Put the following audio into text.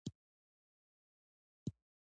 افغانستان د چرګان د پلوه ځانته ځانګړتیا لري.